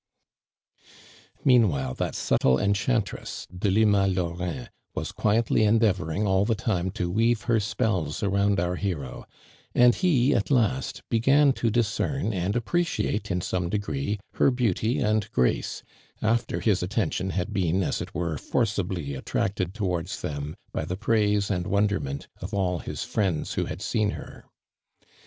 Meanwhile that subtle enclumtress, Deli ma lAurin was «|uietly cn<leavoring all the time to weave her spells around our hero, and he, at last, began to discern an<l ap preciate in some degiee her beauty and grace, after his attention had been as it ware forcibly attracted towards them by the praise and wonderment of all of his friends who had seen her.